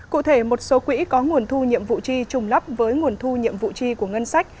cụ thể một số quỹ có nguồn thu nhiệm vụ chi trùng lắp với nguồn thu nhiệm vụ chi của ngân sách